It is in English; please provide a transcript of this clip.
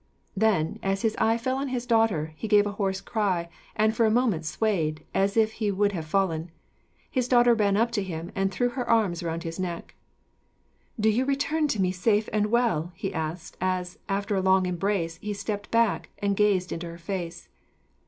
Then, as his eye fell on his daughter, he gave a hoarse cry, and for a moment swayed, as if he would have fallen. His daughter ran up to him, and threw her arms round his neck. "Do you return to me safe and well?" he asked, as, after a long embrace, he stepped back and gazed into her face.